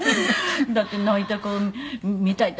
「だって“泣いた顔見たい”って」